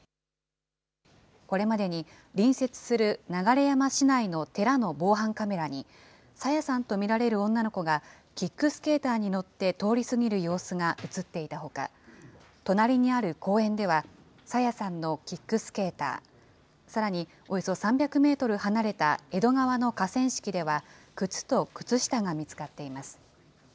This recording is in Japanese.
これまでに、隣接する流山市内の寺の防犯カメラに、朝芽さんと見られる女の子がキックスケーターに乗って通り過ぎる様子が写っていたほか、隣にある公園では、朝芽さんのキックスケーター、さらに、およそ３００メートル離れた江戸川の河川敷では、靴と靴下が見つかっています。